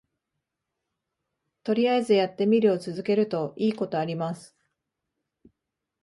とりあえずやってみるを続けるといいことあります